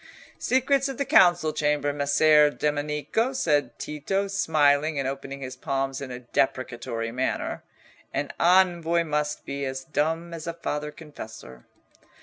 "Secrets of the council chamber, Messer Domenico!" said Tito, smiling and opening his palms in a deprecatory manner. "An envoy must be as dumb as a father confessor."